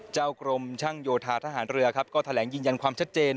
กรมช่างโยธาทหารเรือครับก็แถลงยืนยันความชัดเจน